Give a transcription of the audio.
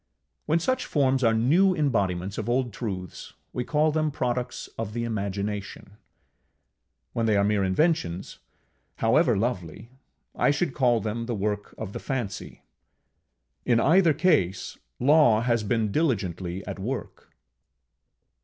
When such forms are new embodiments of old truths, we call them products of the Imagination; when they are mere inventions, however lovely, I should call them the work of the Fancy: in either case, Law has been diligently at work.